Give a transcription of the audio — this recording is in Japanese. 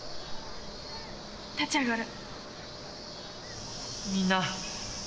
立ち上がる。